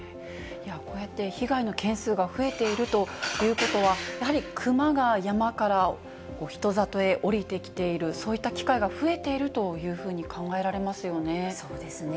こうやって被害の件数が増えているということは、やはり、クマが山から人里へ下りてきている、そういった機会が増えているそうですね。